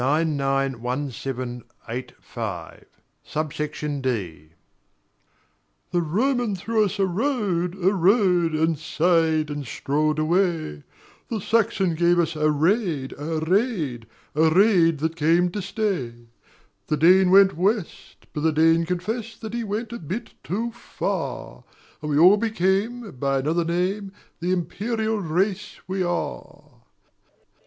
HISTORY Form 991785, Sub Section D The Roman threw us a road, a road, And sighed and strolled away: The Saxon gave us a raid, a raid, A raid that came to stay; The Dane went west, but the Dane confessed That he went a bit too far; And we all became, by another name, The Imperial race we are.